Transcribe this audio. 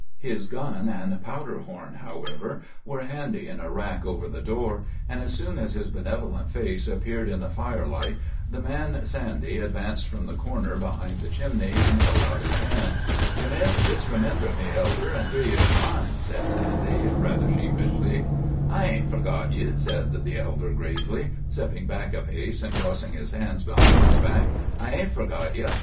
His gun and powder horn, however, were handy in a rack over the door, and as soon as his benevolent face appeared in the firelight the man Sandy advanced from the corner behind the chimney and held out his hand. "Ye may have disremembered me, elder, in three years' time," said Sandy, rather sheepishly. "I hain't forgot ye," said the elder, gravely, stepping back a pace and crossing his hands behind his back. "I hain't forgot ye.